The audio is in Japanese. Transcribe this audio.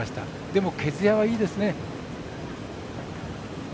でも毛づやは、いいですね。